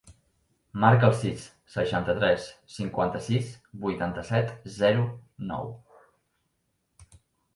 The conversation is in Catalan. Marca el sis, seixanta-tres, cinquanta-sis, vuitanta-set, zero, nou.